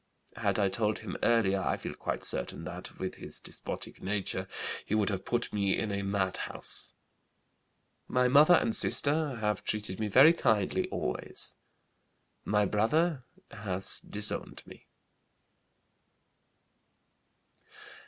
Had I told him earlier I feel quite certain that, with his despotic nature, he would have put me in a madhouse. My mother and sister have treated me very kindly always. My brother has disowned me."